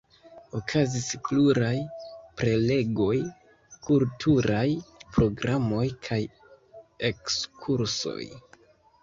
Okazis pluraj prelegoj, kulturaj programoj kaj ekskursoj.